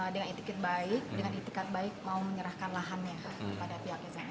dengan etiket baik dengan etikat baik mau menyerahkan lahannya pada pihak pt smp